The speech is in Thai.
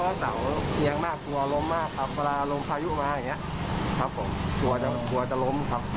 มีความกังวลไหมพี่มีความกังวลครับ